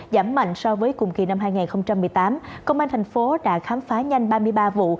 giảm mạnh so với cùng kỳ năm hai nghìn một mươi tám công an thành phố đã khám phá nhanh ba mươi ba vụ